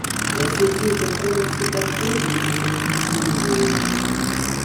La série est un condensé patchwork des concepts hippies et New Age.